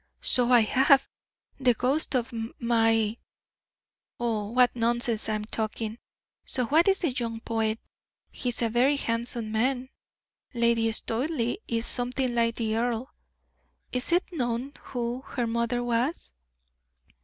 "So I have, the ghost of my Oh, what nonsense I am talking. So that is the young poet; he is a very handsome man. Lady Studleigh is something like the earl. Is it known who her mother was?"